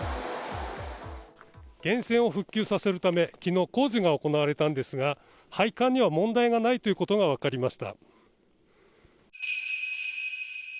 源泉を復旧させるため、きのう、工事が行われたんですが、配管には問題がないということが分かりました。